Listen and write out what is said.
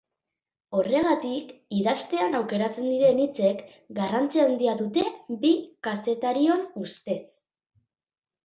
Horregatik, idaztean aukeratzen diren hitzek garrantzi handia dute bi kazetarion ustez.